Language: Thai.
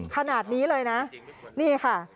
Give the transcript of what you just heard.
ขนาดนี้เลยนะนี่ค่ะ